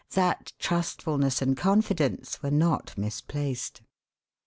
that trustfulness and confidence were not misplaced.